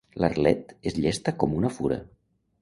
L'Arlet és llesta com una fura.